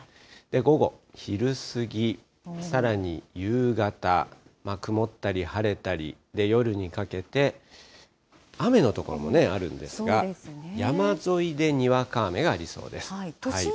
午後、昼過ぎ、さらに夕方、曇ったり晴れたり、で、夜にかけて、雨の所もあるんですが、山沿いでにわか雨がありそうです。